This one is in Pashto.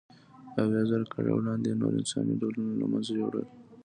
اویازره کاله وړاندې یې نور انساني ډولونه له منځه یووړل.